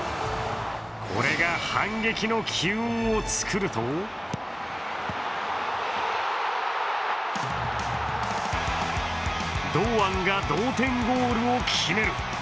これが反撃の機運を作ると堂安が同点ゴールを決める。